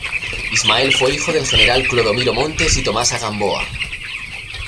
Ismael fue hijo del general Clodomiro Montes y Tomasa Gamboa.